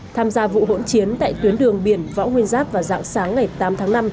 tham gia vụ hỗn chiến tại tuyến đường biển võ nguyên giáp vào dạng sáng ngày tám tháng năm